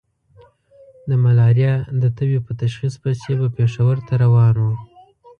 د ملاريا د تبې په تشخيص پسې به پېښور ته روان وو.